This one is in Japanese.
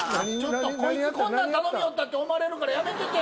こいつこんなん頼みよったって思われるからやめてって。